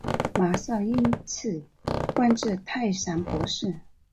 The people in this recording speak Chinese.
马韶因此官至太常博士。